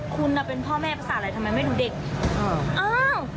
คุณน่ะเป็นพ่อแม่ภาษาอะไรทำไมไม่รู้เด็ก